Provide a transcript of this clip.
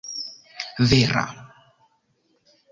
vera